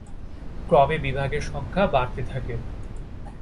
ক্রমে বিভাগের সংখ্যা বাড়তে থাকে।